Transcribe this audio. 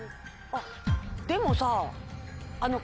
あっでもさ。